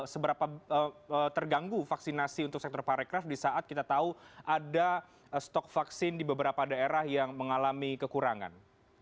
seberapa terganggu vaksinasi untuk sektor pariwisata di saat kita tahu ada stok vaksin di beberapa daerah yang mengalami kekurangan